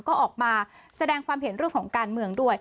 ก็ออกมาแสดงความเห็นเรื่องของการเมืองด้วย